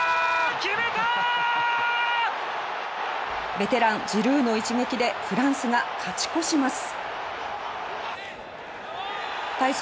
ベテラン、ジルーの一撃でフランスが勝ち越します。